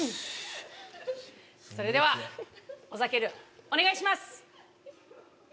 それではオサケルお願いします！